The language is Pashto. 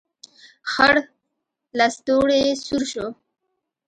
خړ لستوڼی يې سور شو.